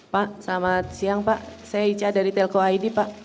pak selamat siang pak saya ica dari telko id pak